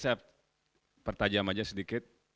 saya pertajam aja sedikit